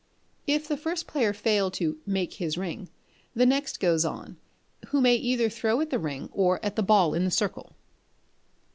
If the first player fail to "make his ring," the next goes on, who may either throw at the ring or at the ball in the circle.